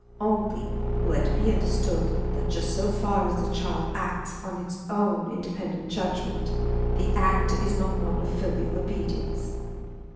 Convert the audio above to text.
Only, let it be understood that just so far as the child acts on its own independent judgment, the act is not one of filial obedience.